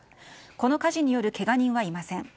この火事によるけが人はいません。